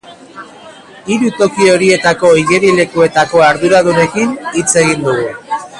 Hiru toki horietako igerilekuetako arduradunekin hitz egin dugu.